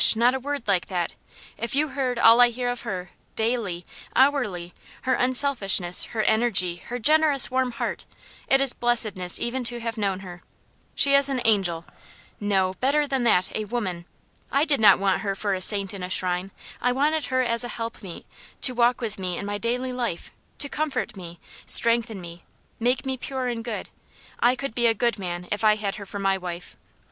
not a word like that. If you heard all I hear of her daily hourly her unselfishness, her energy, her generous, warm heart! It is blessedness even to have known her. She is an angel no, better than that, a woman! I did not want her for a saint in a shrine I wanted her as a help meet, to walk with me in my daily life, to comfort me, strengthen me, make me pure and good. I could be a good man if I had her for my wife.